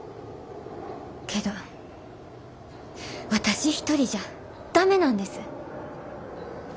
けど私一人じゃ駄目なんです。